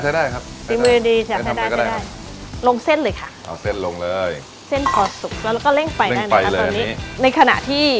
ใช้ได้ลงเส้นเลยค่ะเอาเส้นลงเลยเส้นพอซุกแล้วก็เร่งไปได้เลยในขณะที่